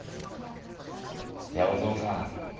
八百蔵さん。